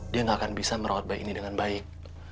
dia nggak akan bisa merawat bayi ini dengan baik